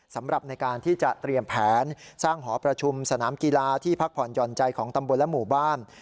สำหรับในการที่จะเตรียมแผนสร้างหอประชุมสนามกีฬาที่พักผ่อนหย่อนใจของตำบลและหมู่บ้าน